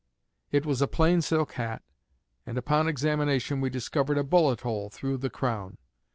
It was a plain silk hat, and upon examination we discovered a bullet hole through the crown.